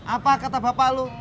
apa kata bapak lu